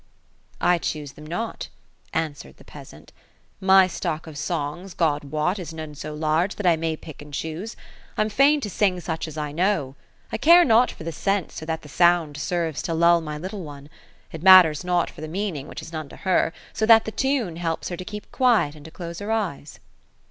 ''' I choose them not ;" answered the peasant ;*^ my stock of songs, God woi. IS none so large, that I may pick and choose. I'm fain to sing such as I know ; I care not for the sense, so that the sound serves to lull my little one ; it matters not for the meaning, which is none to her, so that the tune helps to keep her quiet and to close her eyes."